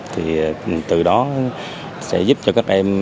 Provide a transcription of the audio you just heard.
thì từ đó sẽ giúp cho các em